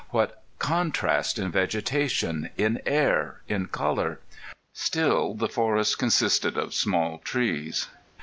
What contrast in vegetation, in air, in color! Still the forest consisted of small trees.